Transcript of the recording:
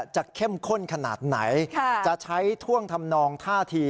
เข้มข้นขนาดไหนจะใช้ท่วงทำนองท่าที